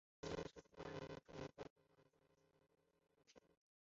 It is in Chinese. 载宁站是位于朝鲜民主主义人民共和国黄海南道载宁郡载宁邑的一个铁路车站。